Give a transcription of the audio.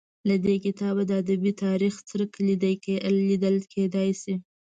له دې کتابه د ادبي تاریخ څرک لګېدای شي.